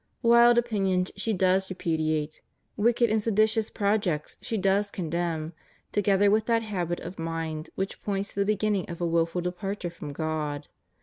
Wild opinions she does repu diate, wicked and seditious projects she does condemn, together with that habit of mind which points to the beginning of a wilful departure from God.